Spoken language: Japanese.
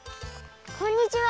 こんにちは。